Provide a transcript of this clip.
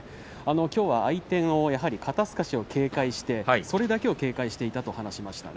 きょうは相手の肩すかしをやはり警戒して、それだけを警戒していたと話しました。